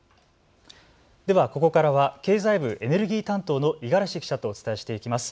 ここからは経済部エネルギー担当の五十嵐記者とお伝えしていきます。